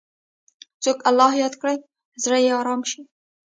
څوک الله یاد کړي، زړه یې ارام شي.